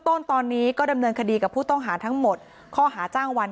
ต้นตอนนี้ก็ดำเนินคดีกับผู้ต้องหาทั้งหมดข้อหาจ้างวัน